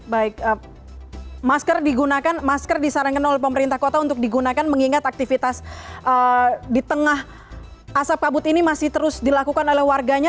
baik masker digunakan masker disarankan oleh pemerintah kota untuk digunakan mengingat aktivitas di tengah asap kabut ini masih terus dilakukan oleh warganya